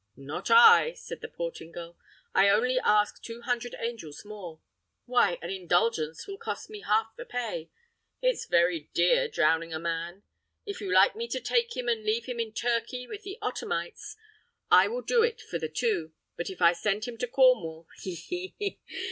"Not I," said the Portingal; "I only ask two hundred angels more. Why, an indulgence will cost me half the pay. It's very dear drowning a man. If you like me to take him and leave him in Turkey with the Ottomites, I will do it for the two; but if I send him to Cornwall, he! he! he!